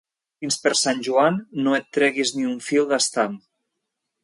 Fins per Sant Joan, no et treguis ni un fil d'estam.